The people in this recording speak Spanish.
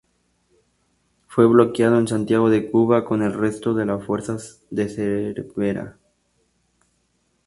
Fue bloqueado en Santiago de Cuba con el resto de la fuerza de Cervera.